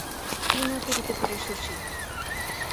কী না করিতে পারে শশী?